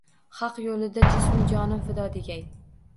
Haq yoʼlida jismu jonim fido degay.